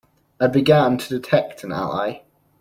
I began to detect an ally.